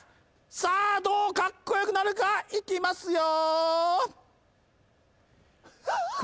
さあどうカッコよくなるかいきますよ！